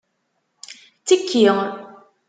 Ttekki!